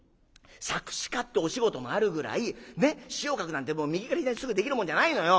作詞家ってお仕事もあるぐらい詞を書くなんて右から左にすぐできるもんじゃないのよ！